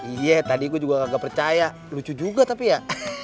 iya tadi gue juga gak percaya lucu juga tapi ya